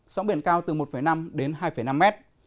sóng biển cao từ một năm đến hai năm mét